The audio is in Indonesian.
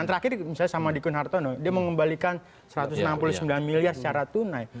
yang terakhir misalnya sama dikun hartono dia mengembalikan satu ratus enam puluh sembilan miliar secara tunai